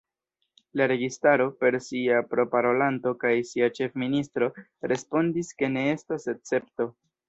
La registaro, per sia proparolanto kaj sia ĉefministro respondis ke ne estos escepto.